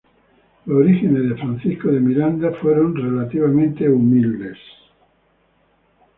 Los orígenes de Francisco de Miranda fueron relativamente humildes.